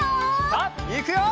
さあいくよ！